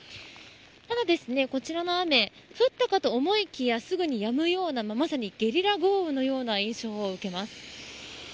ただ、こちらの雨降ったかと思いきやすぐにやむようなまさにゲリラ豪雨のような印象を受けます。